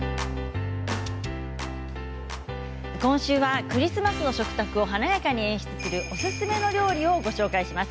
今週はクリスマスの食卓を華やかに演出するおすすめの料理をご紹介します。